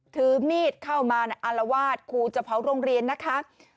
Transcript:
ถือมีดเข้ามาอารวาสครูจะเผาโรงเรียนนะคะ